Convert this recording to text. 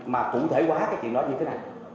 mà cụ thể quá cái chuyện đó như thế này